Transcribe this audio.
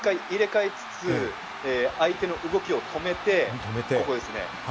マークも１回入れ替えつつ、相手の動きを止めて、ここですね。